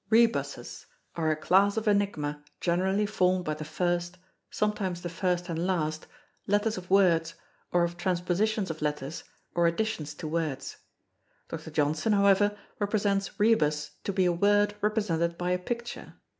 Rebuses are a class of Enigma generally formed by the first, sometimes the first and last, letters of words, or of transpositions of letters, or additions to words. Dr. Johnson, however, represents Rebus to be a word represented by a picture.